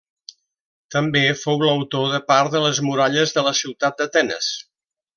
També fou l'autor de part de les muralles de la ciutat d'Atenes.